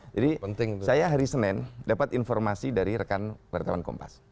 jadi saya hari senin dapat informasi dari rekan wartawan kompas